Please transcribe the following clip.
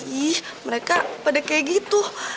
ih mereka pada kayak gitu